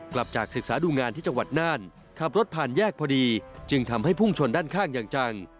กลับจากศึกษาดูงานที่จังหวัดน่านขับรถผ่านแยกพอดีจึงทำให้พุ่งชนด้านข้างอย่างจัง